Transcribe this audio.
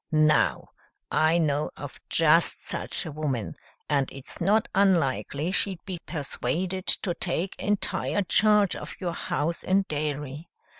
Now, I know of just such a woman, and it's not unlikely she'd be persuaded to take entire charge of your house and dairy.